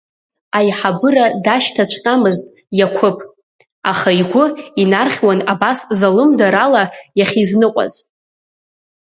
Аиҳабыра дашьҭаҵәҟьамызт иақәыԥ, аха игәы инархьуан абас залымдарала иахьизныҟәаз.